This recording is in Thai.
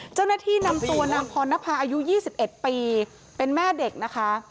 เจ้าหน้าที่นำตัวนางพรณภาอายุ๒๑ปีเป็นแม่เด็กนะคะ